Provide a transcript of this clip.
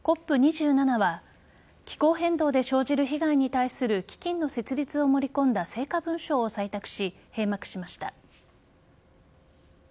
ＣＯＰ２７は気候変動で生じる被害に対する基金の設立を盛り込んだ成果文書を採択し、閉幕しました。